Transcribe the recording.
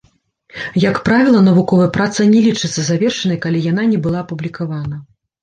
Як правіла, навуковая праца не лічыцца завершанай, калі яна не была апублікавана.